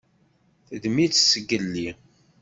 Teddem-itt zgelli.